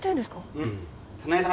うん。